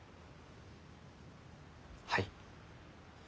はい。